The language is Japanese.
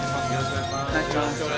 お願いします